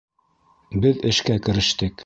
Беҙ эшкә керештек.